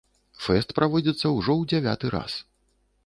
Фэст праводзіцца ўжо ў дзявяты раз.